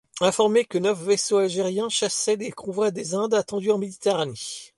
Informé que neuf vaisseaux algériens chassaient les convois des Indes attendus en Méditerranée.